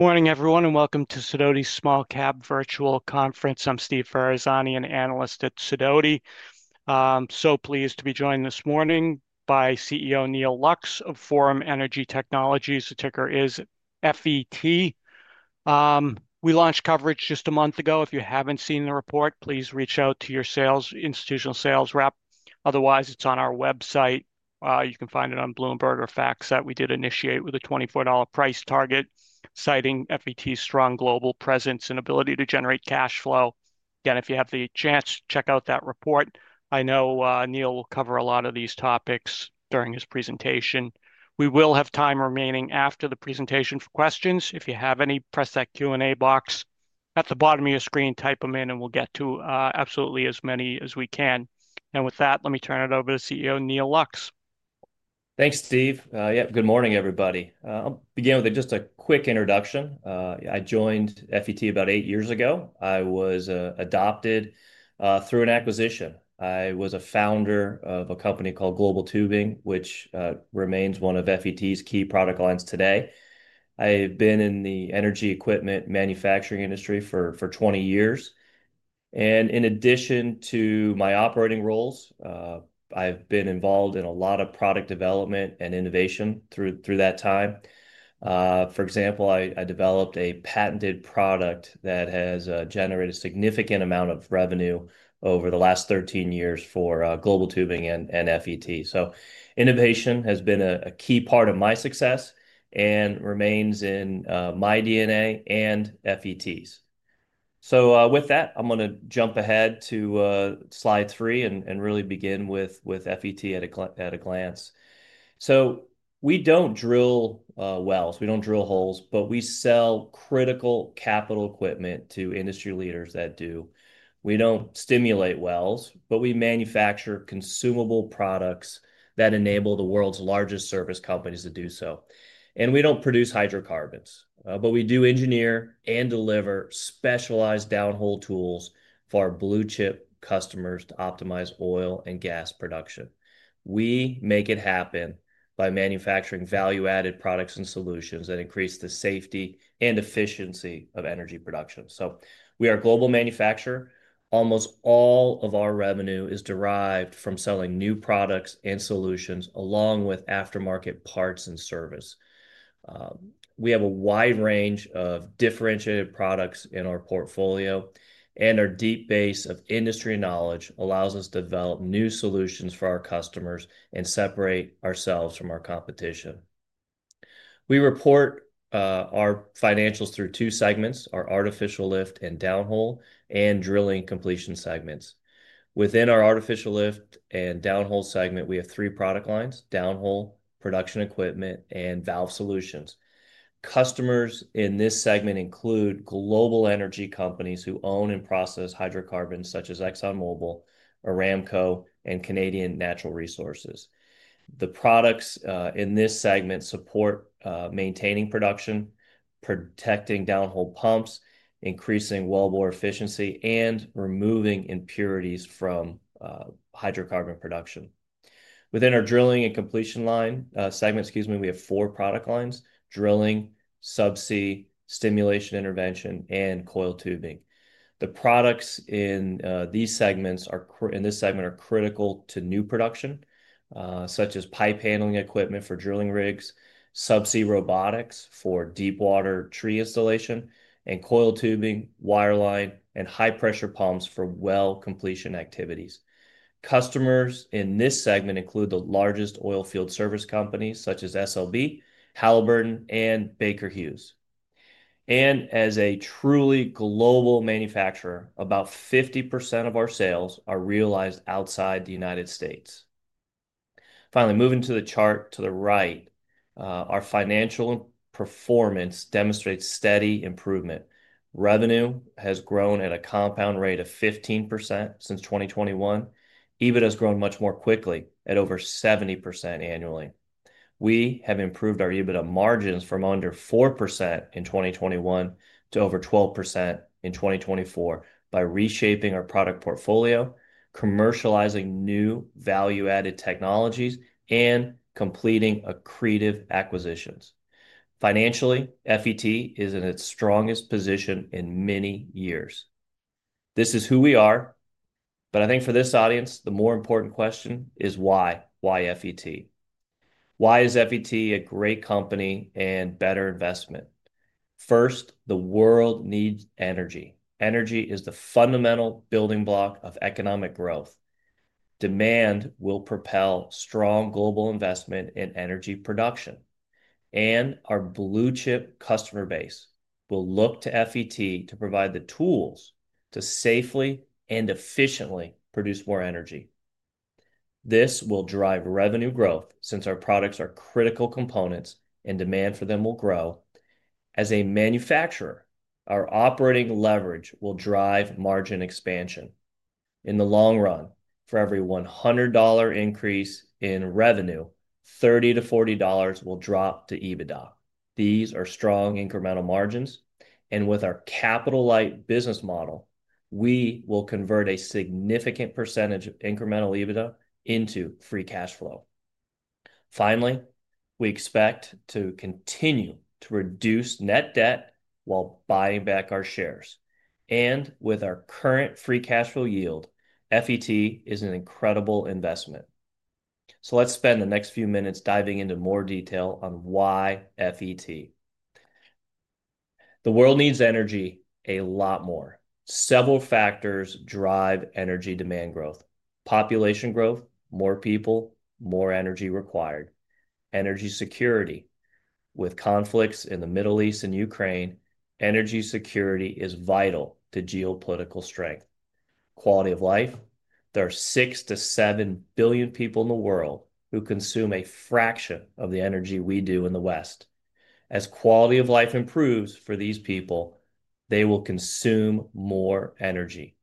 Morning, everyone, and welcome to Sidoti's Small Cap Virtual Conference. I'm Steve Ferazani, an Analyst at Sidoti. I'm so pleased to be joined this morning by CEO Neal Lux of Forum Energy Technologies. The ticker is FET. We launched coverage just a month ago. If you haven't seen the report, please reach out to your institutional sales rep. Otherwise, it's on our website. You can find it on Bloomberg or FactSet. We did initiate with a $24 price target, citing FET's strong global presence and ability to generate cash flow. Again, if you have the chance, check out that report. I know Neal will cover a lot of these topics during his presentation. We will have time remaining after the presentation for questions. If you have any, press that Q&A box at the bottom of your screen, type them in, and we will get to absolutely as many as we can. With that, let me turn it over to CEO Neal Lux. Thanks, Steve. Yep, good morning, everybody. I'll begin with just a quick introduction. I joined FET about eight years ago. I was adopted through an acquisition. I was a founder of a company called Global Tubing, which remains one of FET's key product lines today. I have been in the energy equipment manufacturing industry for 20 years. In addition to my operating roles, I've been involved in a lot of product development and innovation through that time. For example, I developed a patented product that has generated a significant amount of revenue over the last 13 years for Global Tubing and FET. Innovation has been a key part of my success and remains in my DNA and FET's. With that, I'm going to jump ahead to slide three and really begin with FET at a glance. We don't drill wells. We do not drill holes, but we sell critical capital equipment to industry leaders that do. We do not stimulate wells, but we manufacture consumable products that enable the world's largest service companies to do so. We do not produce hydrocarbons, but we do engineer and deliver specialized downhole tools for our blue chip customers to optimize oil and gas production. We make it happen by manufacturing value-added products and solutions that increase the safety and efficiency of energy production. We are a global manufacturer. Almost all of our revenue is derived from selling new products and solutions along with aftermarket parts and service. We have a wide range of differentiated products in our portfolio, and our deep base of industry knowledge allows us to develop new solutions for our customers and separate ourselves from our competition. We report our financials through two segments: our artificial lift and downhole and drilling completion segments. Within our artificial lift and downhole segment, we have three product lines: downhole, production equipment, and valve solutions. Customers in this segment include global energy companies who own and process hydrocarbons such as ExxonMobil, Aramco, and Canadian Natural Resources. The products in this segment support maintaining production, protecting downhole pumps, increasing wellbore efficiency, and removing impurities from hydrocarbon production. Within our drilling and completion line segment, excuse me, we have four product lines: drilling, subsea, stimulation intervention, and coil tubing. The products in this segment are critical to new production, such as pipe handling equipment for drilling rigs, subsea robotics for deep water tree installation, and coil tubing, wireline, and high-pressure pumps for well completion activities. Customers in this segment include the largest oilfield service companies such as SLB, Halliburton, and Baker Hughes. As a truly global manufacturer, about 50% of our sales are realized outside the United States. Finally, moving to the chart to the right, our financial performance demonstrates steady improvement. Revenue has grown at a compound rate of 15% since 2021. EBITDA has grown much more quickly at over 70% annually. We have improved our EBITDA margins from under 4% in 2021 to over 12% in 2024 by reshaping our product portfolio, commercializing new value-added technologies, and completing accretive acquisitions. Financially, FET is in its strongest position in many years. This is who we are, but I think for this audience, the more important question is why? Why FET? Why is FET a great company and better investment? First, the world needs energy. Energy is the fundamental building block of economic growth. Demand will propel strong global investment in energy production. Our blue chip customer base will look to FET to provide the tools to safely and efficiently produce more energy. This will drive revenue growth since our products are critical components and demand for them will grow. As a manufacturer, our operating leverage will drive margin expansion. In the long run, for every $100 increase in revenue, $30-$40 will drop to EBITDA. These are strong incremental margins. With our capital-light business model, we will convert a significant percentage of incremental EBITDA into free cash flow. Finally, we expect to continue to reduce net debt while buying back our shares. With our current free cash flow yield, FET is an incredible investment. Let's spend the next few minutes diving into more detail on why FET. The world needs energy a lot more. Several factors drive energy demand growth: population growth, more people, more energy required; energy security. With conflicts in the Middle East and Ukraine, energy security is vital to geopolitical strength. Quality of life. There are six to seven billion people in the world who consume a fraction of the energy we do in the West. As quality of life improves for these people, they will consume more energy.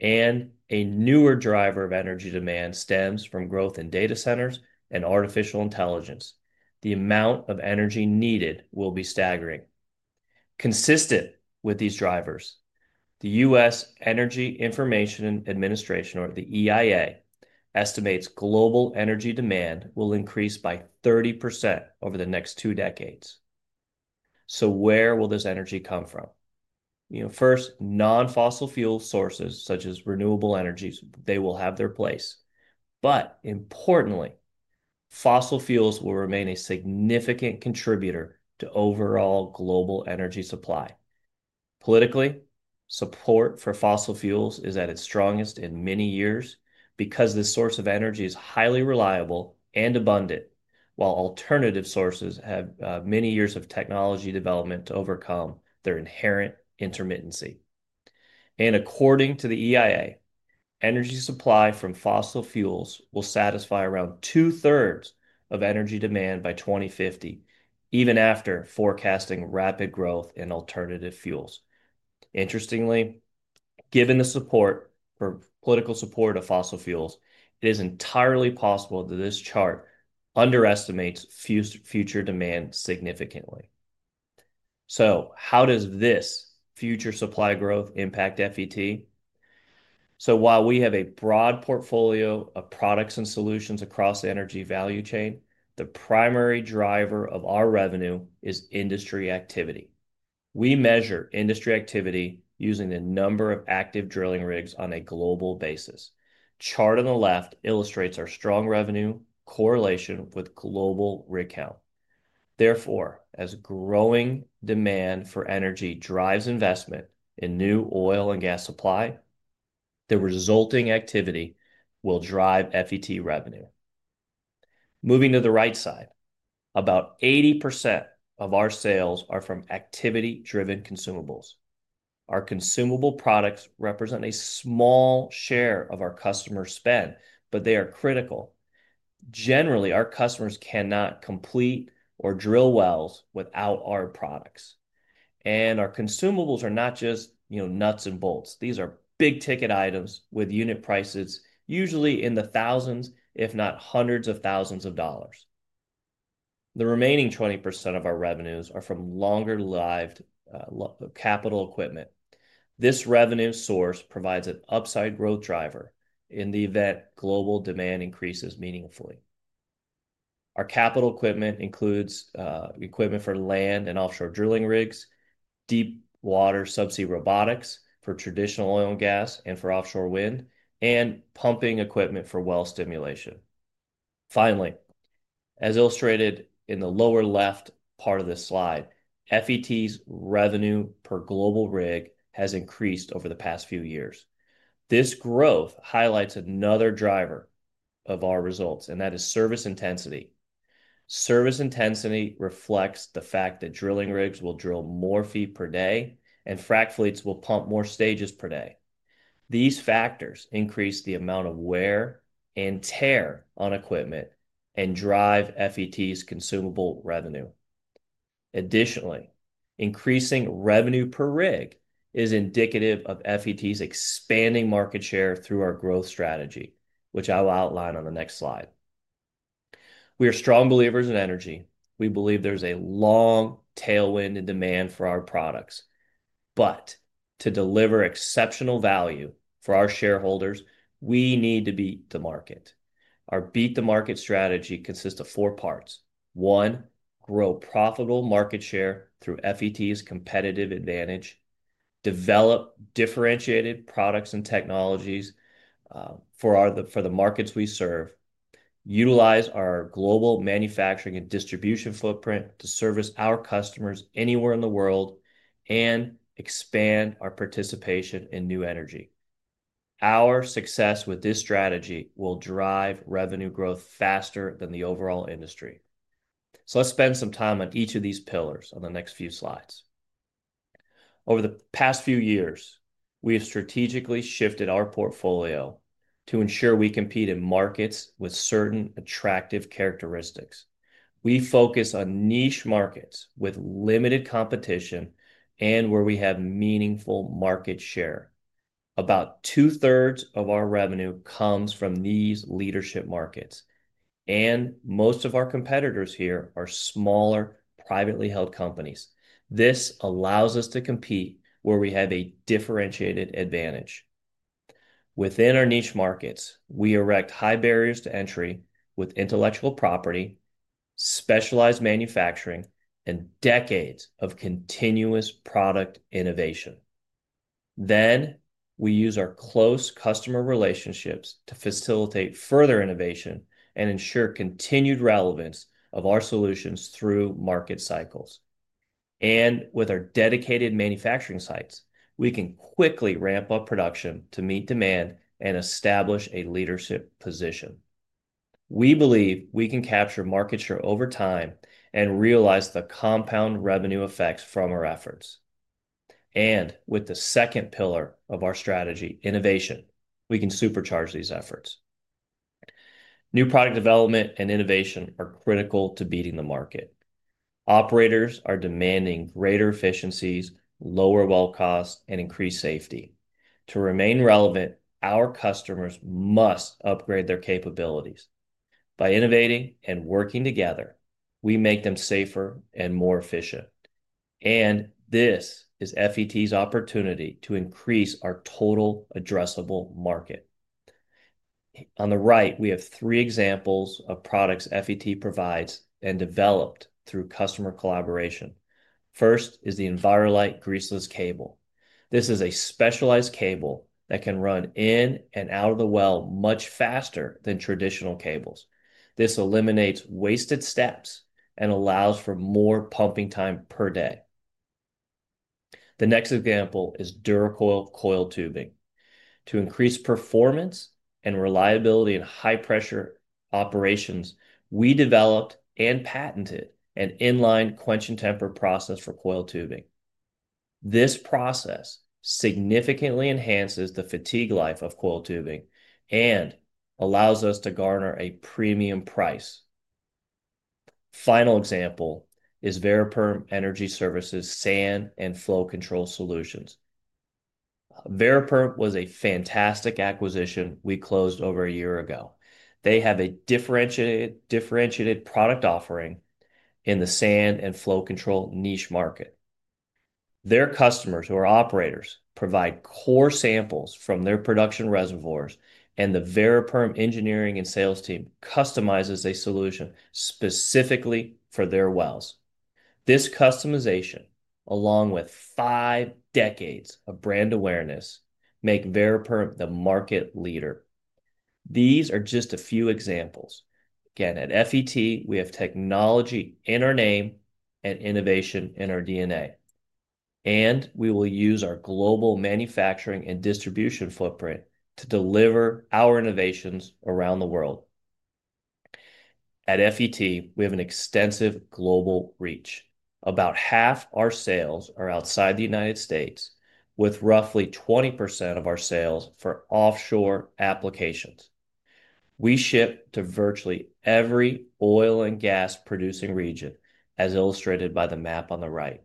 A newer driver of energy demand stems from growth in data centers and artificial intelligence. The amount of energy needed will be staggering. Consistent with these drivers, the U.S. Energy Information Administration, or the EIA, estimates global energy demand will increase by 30% over the next two decades. Where will this energy come from? You know, first, non-fossil fuel sources such as renewable energies, they will have their place. Importantly, fossil fuels will remain a significant contributor to overall global energy supply. Politically, support for fossil fuels is at its strongest in many years because this source of energy is highly reliable and abundant, while alternative sources have many years of technology development to overcome their inherent intermittency. According to the EIA, energy supply from fossil fuels will satisfy around 2/3 of energy demand by 2050, even after forecasting rapid growth in alternative fuels. Interestingly, given the support for political support of fossil fuels, it is entirely possible that this chart underestimates future demand significantly. How does this future supply growth impact FET? While we have a broad portfolio of products and solutions across the energy value chain, the primary driver of our revenue is industry activity. We measure industry activity using the number of active drilling rigs on a global basis. The chart on the left illustrates our strong revenue correlation with global rig count. Therefore, as growing demand for energy drives investment in new oil and gas supply, the resulting activity will drive FET revenue. Moving to the right side, about 80% of our sales are from activity-driven consumables. Our consumable products represent a small share of our customer spend, but they are critical. Generally, our customers cannot complete or drill wells without our products. And our consumables are not just, you know, nuts and bolts. These are big-ticket items with unit prices usually in the thousands, if not hundreds of thousands of dollars. The remaining 20% of our revenues are from longer-lived capital equipment. This revenue source provides an upside growth driver in the event global demand increases meaningfully. Our capital equipment includes equipment for land and offshore drilling rigs, deep water subsea robotics for traditional oil and gas, and for offshore wind, and pumping equipment for well stimulation. Finally, as illustrated in the lower left part of this slide, FET's revenue per global rig has increased over the past few years. This growth highlights another driver of our results, and that is service intensity. Service intensity reflects the fact that drilling rigs will drill more feet per day, and frac fleets will pump more stages per day. These factors increase the amount of wear and tear on equipment and drive FET's consumable revenue. Additionally, increasing revenue per rig is indicative of FET's expanding market share through our growth strategy, which I'll outline on the next slide. We are strong believers in energy. We believe there's a long tailwind in demand for our products. To deliver exceptional value for our shareholders, we need to beat the market. Our beat-the-market strategy consists of four parts. One, grow profitable market share through FET's competitive advantage. Develop differentiated products and technologies for the markets we serve. Utilize our global manufacturing and distribution footprint to service our customers anywhere in the world and expand our participation in new energy. Our success with this strategy will drive revenue growth faster than the overall industry. Let's spend some time on each of these pillars on the next few slides. Over the past few years, we have strategically shifted our portfolio to ensure we compete in markets with certain attractive characteristics. We focus on niche markets with limited competition and where we have meaningful market share. About 2/3 of our revenue comes from these leadership markets. Most of our competitors here are smaller, privately held companies. This allows us to compete where we have a differentiated advantage. Within our niche markets, we erect high barriers to entry with intellectual property, specialized manufacturing, and decades of continuous product innovation. We use our close customer relationships to facilitate further innovation and ensure continued relevance of our solutions through market cycles. With our dedicated manufacturing sites, we can quickly ramp up production to meet demand and establish a leadership position. We believe we can capture market share over time and realize the compound revenue effects from our efforts. With the second pillar of our strategy, innovation, we can supercharge these efforts. New product development and innovation are critical to beating the market. Operators are demanding greater efficiencies, lower well costs, and increased safety. To remain relevant, our customers must upgrade their capabilities. By innovating and working together, we make them safer and more efficient. This is FET's opportunity to increase our total addressable market. On the right, we have three examples of products FET provides and developed through customer collaboration. First is the Enviro-Lite greaseless cable. This is a specialized cable that can run in and out of the well much faster than traditional cables. This eliminates wasted steps and allows for more pumping time per day. The next example is DURACOIL coil tubing. To increase performance and reliability in high-pressure operations, we developed and patented an inline quench and temper process for coil tubing. This process significantly enhances the fatigue life of coil tubing and allows us to garner a premium price. Final example is Variperm Energy Services' sand and flow control solutions. Variperm was a fantastic acquisition we closed over a year ago. They have a differentiated product offering in the sand and flow control niche market. Their customers, who are operators, provide core samples from their production reservoirs, and the Variperm engineering and sales team customizes a solution specifically for their wells. This customization, along with five decades of brand awareness, makes Variperm the market leader. These are just a few examples. At FET, we have technology in our name and innovation in our DNA. We will use our global manufacturing and distribution footprint to deliver our innovations around the world. At FET, we have an extensive global reach. About half our sales are outside the United Stated, with roughly 20% of our sales for offshore applications. We ship to virtually every oil and gas-producing region, as illustrated by the map on the right.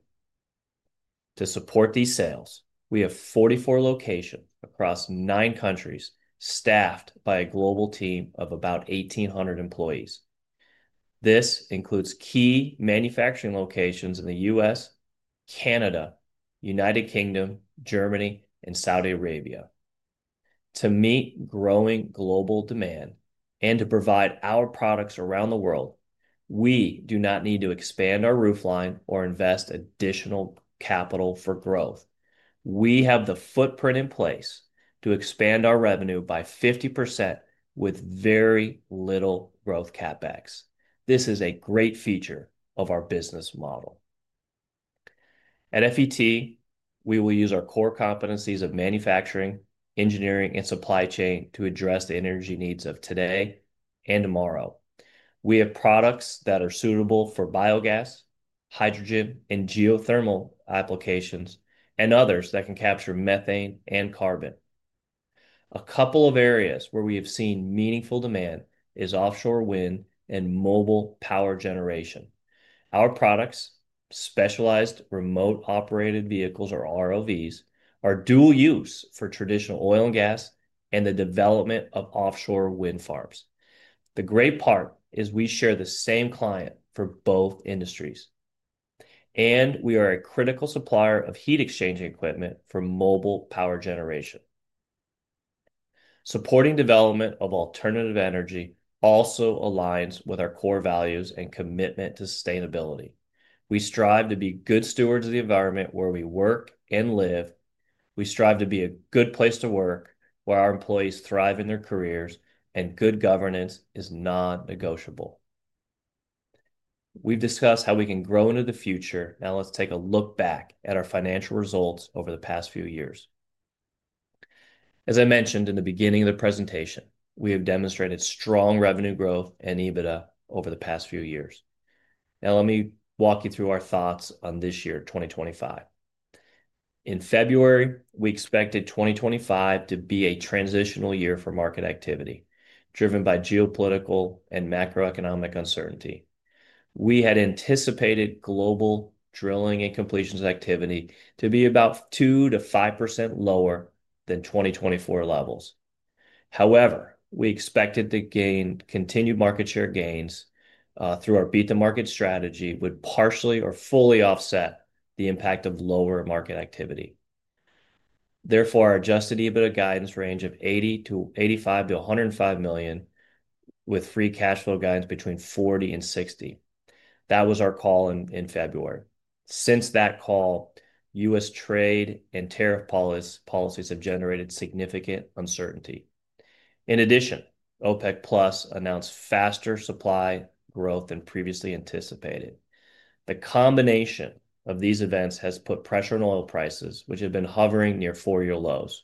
To support these sales, we have 44 locations across nine countries staffed by a global team of about 1,800 employees. This includes key manufacturing locations in the U.S., Canada, United Kingdom, Germany, and Saudi Arabia. To meet growing global demand and to provide our products around the world, we do not need to expand our roofline or invest additional capital for growth. We have the footprint in place to expand our revenue by 50% with very little growth CapEx. This is a great feature of our business model. At FET, we will use our core competencies of manufacturing, engineering, and supply chain to address the energy needs of today and tomorrow. We have products that are suitable for biogas, hydrogen, and geothermal applications, and others that can capture methane and carbon. A couple of areas where we have seen meaningful demand is offshore wind and mobile power generation. Our products, specialized remote-operated vehicles or ROVs, are dual-use for traditional oil and gas and the development of offshore wind farms. The great part is we share the same client for both industries. We are a critical supplier of heat exchange equipment for mobile power generation. Supporting development of alternative energy also aligns with our core values and commitment to sustainability. We strive to be good stewards of the environment where we work and live. We strive to be a good place to work where our employees thrive in their careers, and good governance is non-negotiable. We have discussed how we can grow into the future. Now let's take a look back at our financial results over the past few years. As I mentioned in the beginning of the presentation, we have demonstrated strong revenue growth and EBITDA over the past few years. Now let me walk you through our thoughts on this year, 2025. In February, we expected 2025 to be a transitional year for market activity, driven by geopolitical and macroeconomic uncertainty. We had anticipated global drilling and completions activity to be about 2%-5% lower than 2024 levels. However, we expected to gain continued market share gains through our beat-the-market strategy would partially or fully offset the impact of lower market activity. Therefore, our adjusted EBITDA guidance range of $80 million-$85 million to $105 million with free cash flow guidance between $40 million and $60 million. That was our call in February. Since that call, U.S. trade and tariff policies have generated significant uncertainty. In addition, OPEC+ announced faster supply growth than previously anticipated. The combination of these events has put pressure on oil prices, which have been hovering near four-year lows.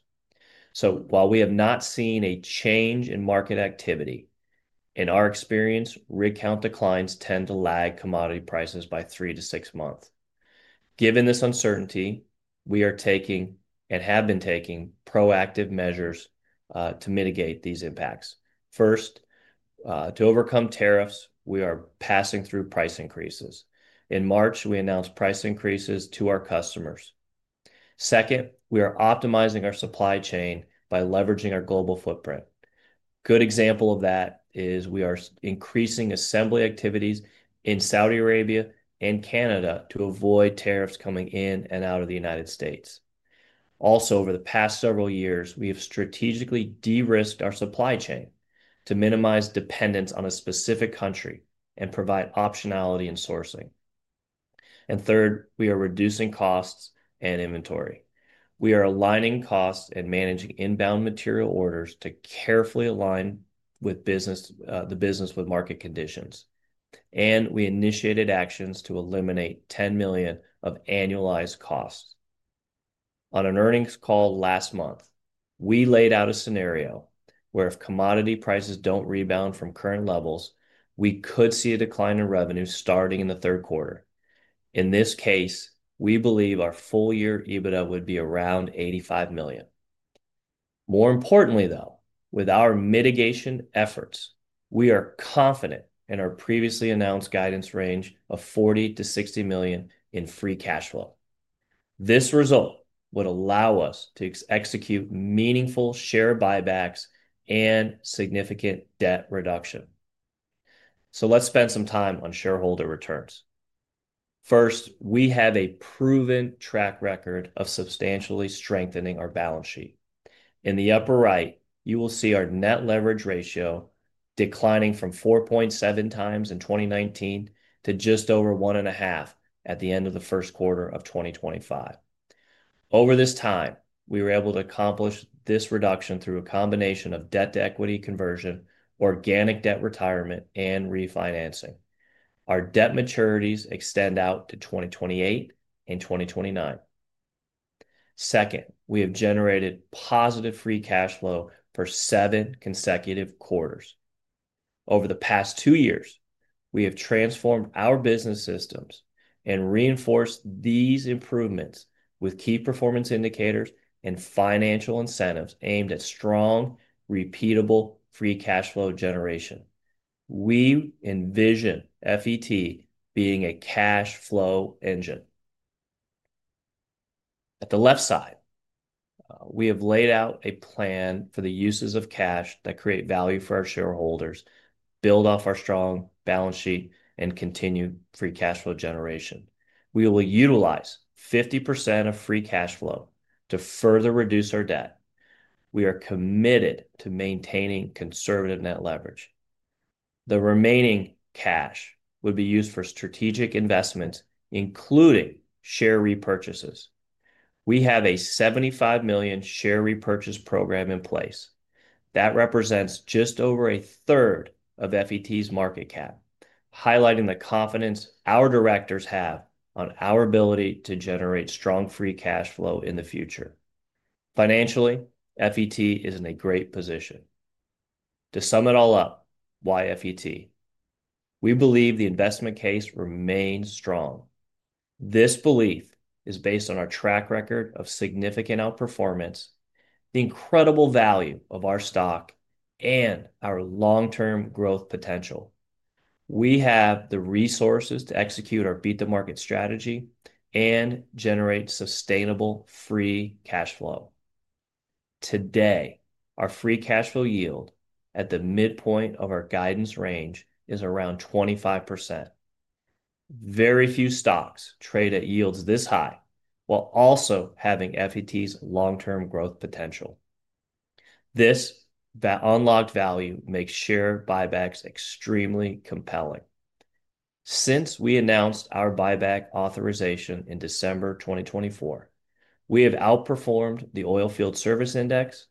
While we have not seen a change in market activity, in our experience, rig count declines tend to lag commodity prices by three to six months. Given this uncertainty, we are taking and have been taking proactive measures to mitigate these impacts. First, to overcome tariffs, we are passing through price increases. In March, we announced price increases to our customers. Second, we are optimizing our supply chain by leveraging our global footprint. A good example of that is we are increasing assembly activities in Saudi Arabia and Canada to avoid tariffs coming in and out of the United States. Also, over the past several years, we have strategically de-risked our supply chain to minimize dependence on a specific country and provide optionality in sourcing. Third, we are reducing costs and inventory. We are aligning costs and managing inbound material orders to carefully align the business with market conditions. We initiated actions to eliminate $10 million of annualized costs. On an earnings call last month, we laid out a scenario where if commodity prices do not rebound from current levels, we could see a decline in revenue starting in the third quarter. In this case, we believe our full-year EBITDA would be around $85 million. More importantly, though, with our mitigation efforts, we are confident in our previously announced guidance range of $40 million-$60 million in free cash flow. This result would allow us to execute meaningful share buybacks and significant debt reduction. Let's spend some time on shareholder returns. First, we have a proven track record of substantially strengthening our balance sheet. In the upper right, you will see our net leverage ratio declining from 4.7x in 2019 to just over 1.5 at the end of the first quarter of 2025. Over this time, we were able to accomplish this reduction through a combination of debt to equity conversion, organic debt retirement, and refinancing. Our debt maturities extend out to 2028 and 2029. Second, we have generated positive free cash flow for seven consecutive quarters. Over the past two years, we have transformed our business systems and reinforced these improvements with key performance indicators and financial incentives aimed at strong, repeatable free cash flow generation. We envision FET being a cash flow engine. At the left side, we have laid out a plan for the uses of cash that create value for our shareholders, build off our strong balance sheet, and continue free cash flow generation. We will utilize 50% of free cash flow to further reduce our debt. We are committed to maintaining conservative net leverage. The remaining cash would be used for strategic investments, including share repurchases. We have a $75 million share repurchase program in place. That represents just over 1/3 of FET's market cap, highlighting the confidence our directors have on our ability to generate strong free cash flow in the future. Financially, FET is in a great position. To sum it all up, why FET? We believe the investment case remains strong. This belief is based on our track record of significant outperformance, the incredible value of our stock, and our long-term growth potential. We have the resources to execute our beat-the-market strategy and generate sustainable free cash flow. Today, our free cash flow yield at the midpoint of our guidance range is around 25%. Very few stocks trade at yields this high while also having FET's long-term growth potential. This unlocked value makes share buybacks extremely compelling. Since we announced our buyback authorization in December 2024, we have outperformed the oilfield service index,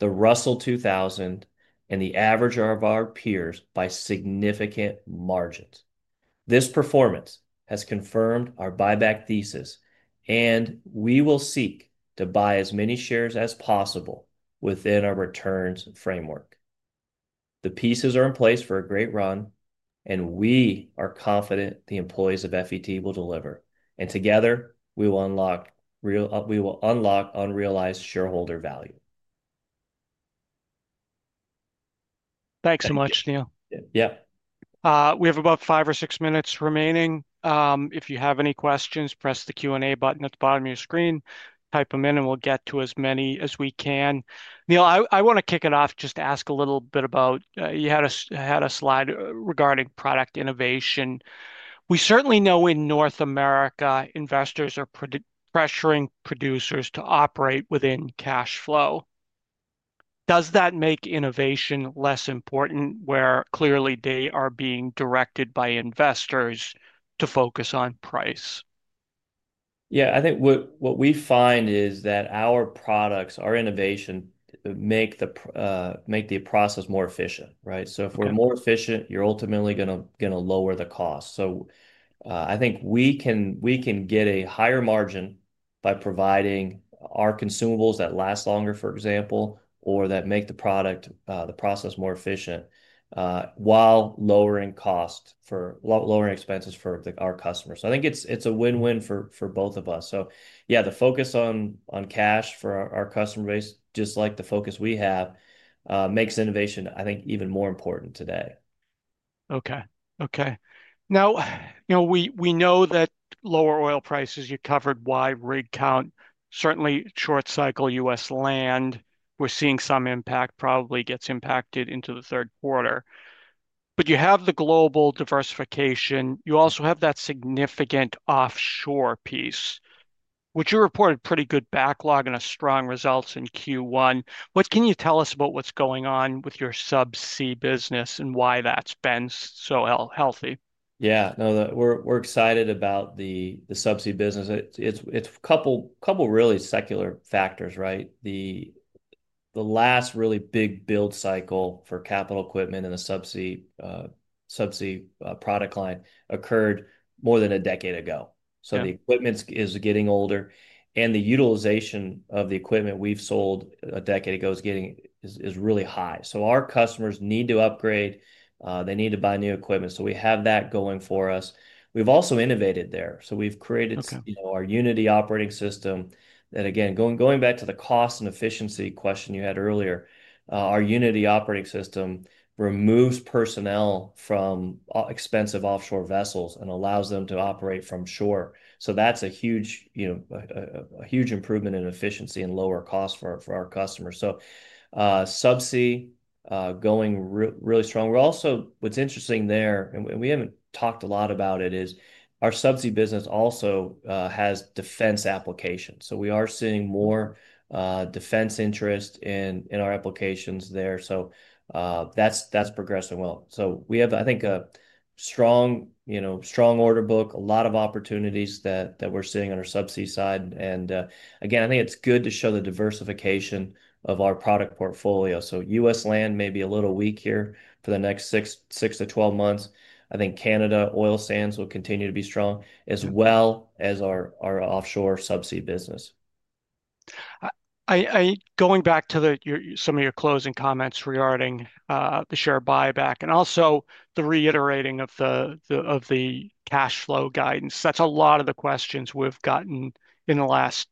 the Russell 2000, and the average of our peers by significant margins. This performance has confirmed our buyback thesis, and we will seek to buy as many shares as possible within our returns framework. The pieces are in place for a great run, and we are confident the employees of FET will deliver. Together, we will unlock real, we will unlock unrealized shareholder value. Thanks so much, Neal. Yeah. We have about five or six minutes remaining. If you have any questions, press the Q&A button at the bottom of your screen. Type them in, and we'll get to as many as we can. Neal, I want to kick it off just to ask a little bit about you had a slide regarding product innovation. We certainly know in North America, investors are pressuring producers to operate within cash flow. Does that make innovation less important where clearly they are being directed by investors to focus on price? Yeah, I think what we find is that our products, our innovation, make the process more efficient, right? If we are more efficient, you are ultimately going to lower the cost. I think we can get a higher margin by providing our consumables that last longer, for example, or that make the process more efficient while lowering costs for our customers. I think it is a win-win for both of us. Yeah, the focus on cash for our customer base, just like the focus we have, makes innovation, I think, even more important today. Okay. Now, you know, we know that lower oil prices, you covered why rig count, certainly short-cycle U.S. land, we're seeing some impact probably gets impacted into the third quarter. You have the global diversification. You also have that significant offshore piece, which you reported pretty good backlog and strong results in Q1. What can you tell us about what's going on with your subsea business and why that's been so healthy? Yeah, no, we're excited about the subsea business. It's a couple really secular factors, right? The last really big build cycle for capital equipment in the subsea product line occurred more than a decade ago. The equipment is getting older, and the utilization of the equipment we sold a decade ago is really high. Our customers need to upgrade. They need to buy new equipment. We have that going for us. We've also innovated there. We've created, you know, our Unity Operating System that, again, going back to the cost and efficiency question you had earlier, our Unity Operating System removes personnel from expensive offshore vessels and allows them to operate from shore. That's a huge, you know, a huge improvement in efficiency and lower cost for our customers. Subsea is going really strong. What's interesting there, and we haven't talked a lot about it, is our subsea business also has defense applications. We are seeing more defense interest in our applications there. That's progressing well. We have, I think, a strong, you know, strong order book, a lot of opportunities that we're seeing on our subsea side. I think it's good to show the diversification of our product portfolio. U.S. land may be a little weak here for the next six to 12 months. I think Canada oil sands will continue to be strong, as well as our offshore subsea business. Going back to some of your closing comments regarding the share buyback and also the reiterating of the cash flow guidance, that's a lot of the questions we've gotten in the last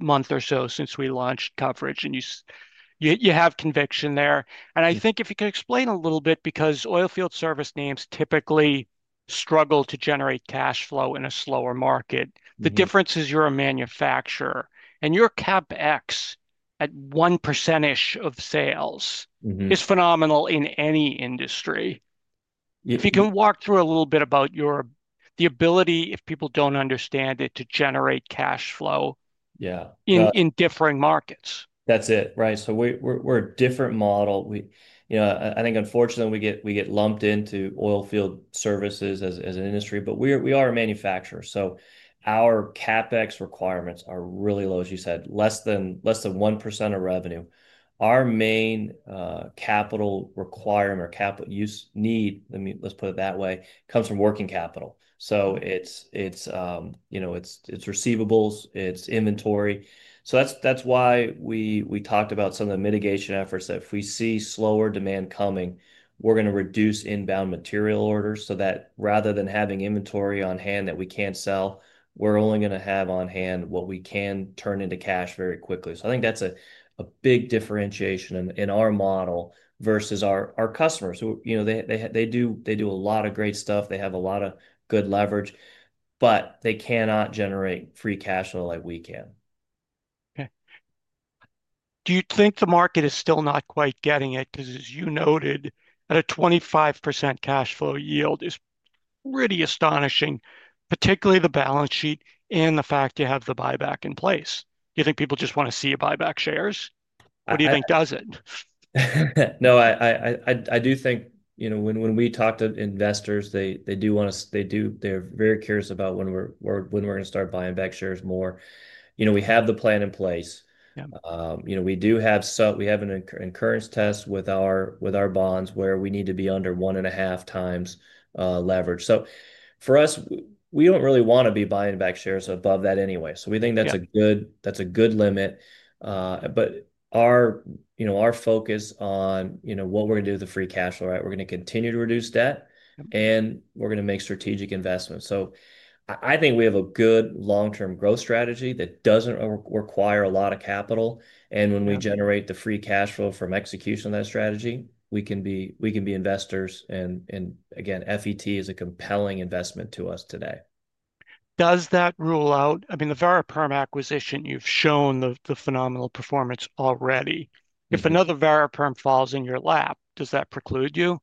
month or so since we launched coverage. You have conviction there. I think if you could explain a little bit because oilfield service names typically struggle to generate cash flow in a slower market. The difference is you're a manufacturer and your CapEx at one percentage of sales is phenomenal in any industry. If you can walk through a little bit about your, the ability, if people don't understand it, to generate cash flow. Yeah. In differing markets. That's it, right? We're a different model. You know, I think unfortunately we get lumped into oilfield services as an industry, but we are a manufacturer. Our CapEx requirements are really low, as you said, less than 1% of revenue. Our main capital requirement or capital use need, let me, let's put it that way, comes from working capital. So it's, you know, it's receivables, it's inventory. That's why we talked about some of the mitigation efforts that if we see slower demand coming, we're going to reduce inbound material orders so that rather than having inventory on hand that we can't sell, we're only going to have on hand what we can turn into cash very quickly. I think that's a big differentiation in our model versus our customers. You know, they do a lot of great stuff. They have a lot of good leverage, but they cannot generate free cash flow like we can. Okay. Do you think the market is still not quite getting it? Because as you noted, at a 25% cash flow yield is pretty astonishing, particularly the balance sheet and the fact you have the buyback in place. Do you think people just want to see you buy back shares? What do you think does it? No, I do think, you know, when we talk to investors, they do want to, they do, they're very curious about when we're going to start buying back shares more. You know, we have the plan in place. Yeah. You know, we do have, so we have an incurrence test with our bonds where we need to be under one and a half times leverage. For us, we don't really want to be buying back shares above that anyway. We think that's a good limit. Our focus on, you know, what we're going to do with the free cash flow, right? We're going to continue to reduce debt and we're going to make strategic investments. I think we have a good long-term growth strategy that doesn't require a lot of capital. When we generate the free cash flow from execution of that strategy, we can be investors. Again, FET is a compelling investment to us today. Does that rule out, I mean, the Variperm acquisition, you've shown the phenomenal performance already. If another Variperm falls in your lap, does that preclude you?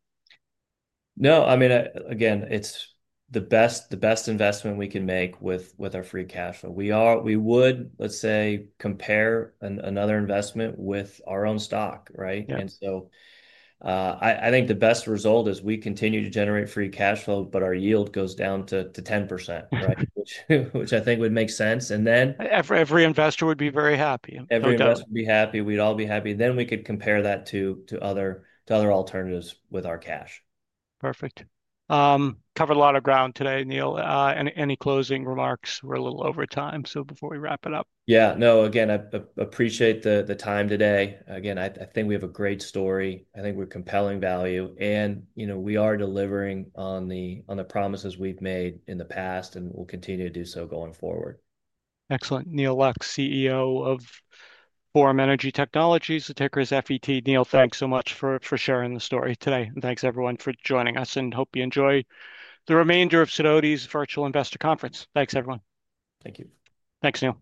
No, I mean, again, it's the best investment we can make with our free cash flow. We would, let's say, compare another investment with our own stock, right? I think the best result is we continue to generate free cash flow, but our yield goes down to 10%, right? Which I think would make sense. Then every investor would be very happy. Every investor would be happy. We'd all be happy. Then we could compare that to other alternatives with our cash. Perfect. Covered a lot of ground today, Neal. Any closing remarks? We're a little over time. So before we wrap it up. Yeah. No, again, I appreciate the time today. Again, I think we have a great story. I think we're compelling value. And, you know, we are delivering on the promises we've made in the past and we'll continue to do so going forward. Excellent. Neal Lux, CEO of Forum Energy Technologies, the ticker is FET. Neal, thanks so much for sharing the story today. And thanks everyone for joining us and hope you enjoy the remainder of Sidoti's Virtual Investor Conference. Thanks, everyone. Thank you. Thanks, Neal.